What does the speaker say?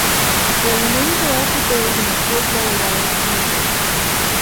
Their remains are also buried in the Fort Walla Walla Cemetery.